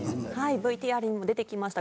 ＶＴＲにも出てきました